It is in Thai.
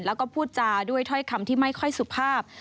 แล้วก็พูดจาด้วยถ้อยคำที่ไม่ค่อยสุภาพ